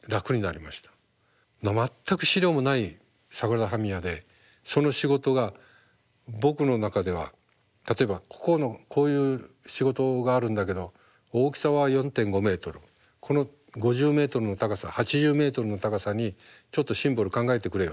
全く資料もないサグラダ・ファミリアでその仕事が僕の中では例えば「ここのこういう仕事があるんだけど大きさは４．５ｍこの５０ｍの高さ８０ｍの高さにちょっとシンボル考えてくれよ」。